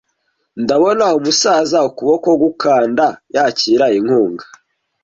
Ndabona umusaza-ukuboko gukanda yakira inkunga,